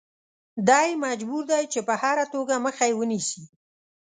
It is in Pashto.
دی مجبور دی چې په هره توګه مخه یې ونیسي.